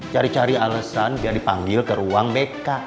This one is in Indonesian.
cari cari alesan biar dipanggil ke ruang mereka